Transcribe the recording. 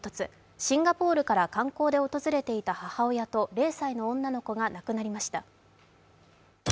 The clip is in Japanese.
シンガポールから観光で訪れていた母親と０歳の女の子が亡くなりました。